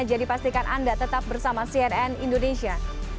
jadi pastikan anda tetap bersama cnn indonesia